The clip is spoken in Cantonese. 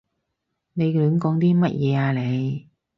你亂講啲乜嘢啊你？